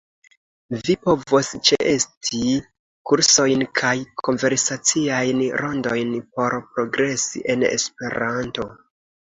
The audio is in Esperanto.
Vi povos ĉeesti kursojn kaj konversaciajn rondojn por progresi en Esperanto.